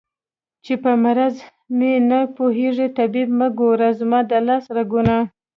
چې په مرض مې نه پوهېږې طبيبه مه ګوره زما د لاس رګونه